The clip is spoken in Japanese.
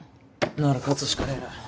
なら勝つしかねぇな。